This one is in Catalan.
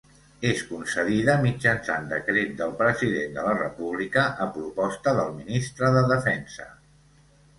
És concedida mitjançant decret del President de la República a proposta del Ministre de Defensa.